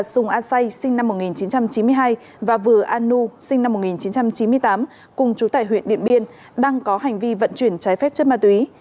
sùng a say sinh năm một nghìn chín trăm chín mươi hai và vừa a nu sinh năm một nghìn chín trăm chín mươi tám cùng chú tải huyện điện biên đang có hành vi vận chuyển trái phép chất ma túy